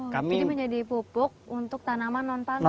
jadi menjadi pupuk untuk tanaman non pangan